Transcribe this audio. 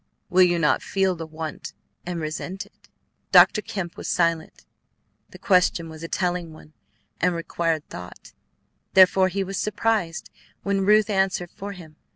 Will you not feel the want and resent it?" Dr. Kemp was silent. The question was a telling one and required thought; therefore he was surprised when Ruth answered for him.